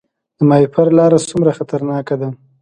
د ماهیپر لاره څومره خطرناکه ده؟